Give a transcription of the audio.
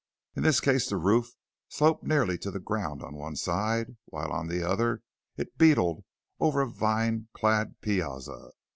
In this case the roof sloped nearly to the ground on one side, while on the other it beetled over a vine clad piazza.